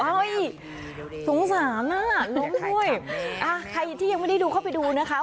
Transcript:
สงสารน่ะล้มด้วยอ่ะใครที่ยังไม่ได้ดูเข้าไปดูนะคะ